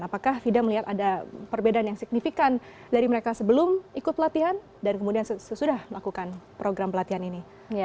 apakah fida melihat ada perbedaan yang signifikan dari mereka sebelum ikut latihan dan kemudian sesudah melakukan program pelatihan ini